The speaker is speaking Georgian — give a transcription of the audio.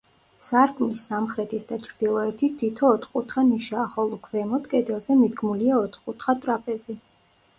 სარკმლის სამხრეთით და ჩრდილოეთით თითო ოთხკუთხა ნიშაა, ხოლო ქვემოთ, კედელზე, მიდგმულია ოთხკუთხა ტრაპეზი.